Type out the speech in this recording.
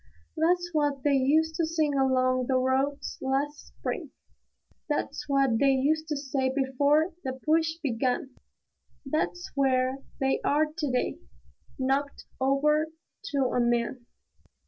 That's what they used to sing along the roads last spring; That's what they used to say before the push began; That's where they are to day, knocked over to a man.